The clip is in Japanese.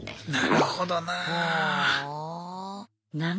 なるほどな。